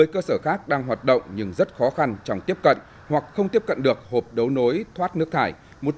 một mươi cơ sở khác đang hoạt động nhưng rất khó khăn trong tiếp cận hoặc không tiếp cận được hộp đấu nối thoát nước thải